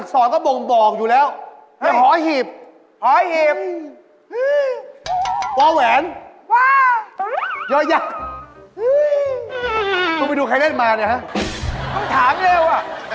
ต้องถามเร็ว